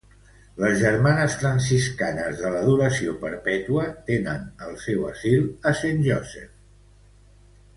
Les Germanes Franciscanes de l'Adoració Perpètua tenen el seu asil a Saint Joseph.